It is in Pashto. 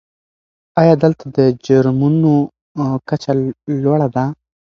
آیا دلته د جرمونو کچه لوړه ده؟